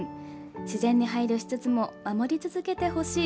自然に配慮しつつも守り続けてほしい。